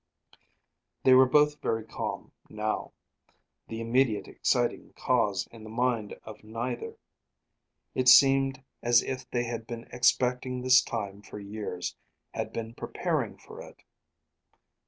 They were both very calm, now; the immediate exciting cause in the mind of neither. It seemed as if they had been expecting this time for years, had been preparing for it.